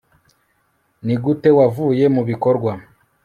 Nigute wavuye mubikorwa